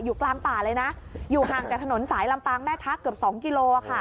กลางป่าเลยนะอยู่ห่างจากถนนสายลำปางแม่ทักเกือบ๒กิโล